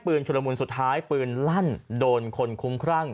ปืนฉุระมุลสุดท้ายปืนลั่นโดนคนคุ้มคร่าง